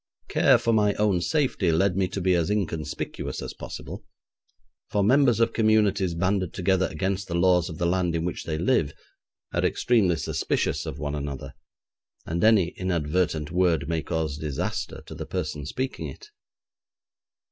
Care for my own safety led me to be as inconspicuous as possible, for members of communities banded together against the laws of the land in which they live, are extremely suspicious of one another, and an inadvertent word may cause disaster to the person speaking it.